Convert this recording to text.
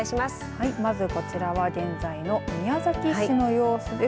はい、まずこちらは現在の宮崎市の様子です。